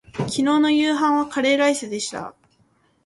今日の夕飯はカレーライスでした